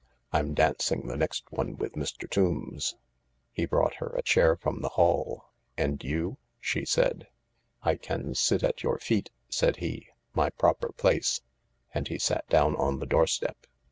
" I'm dancing the next one with Mr. Tombs." He brought her a chair from the hall. " And you ?" she said. " I can sit at your feet," said he —" my proper place," and he sat down on the doorstep.